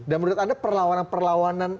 dan menurut anda perlawanan perlawanan